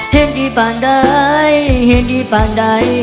เห็นที่ปางได้เห็นที่ปางได้